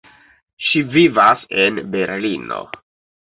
Ŝi vivas en Berlino.